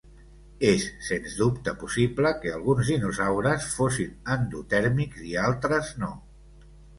És sens dubte possible que alguns dinosaures fossin endotèrmics i altres no.